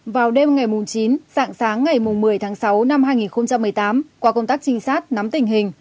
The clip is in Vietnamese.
vào đêm ngày chín dạng sáng ngày một mươi tháng sáu năm hai nghìn một mươi tám qua công tác trinh sát nắm tình hình